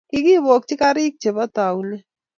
kikibokchi korik chebo taunit